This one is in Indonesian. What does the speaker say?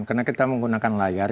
karena kita menggunakan layar